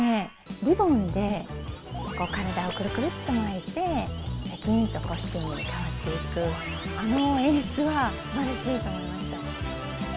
リボンで体をくるくるっと巻いて、しゃきーんとコスチュームに変わっていく、あの演出はすばらしいと思いました。